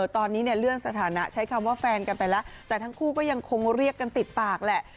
ตอนนี้เนี่ยเลื่อนสถานะใช้คำว่าแฟนกันไปแล้วแต่ทั้งคู่ก็ยังคงเรียกกันติดปากแหละ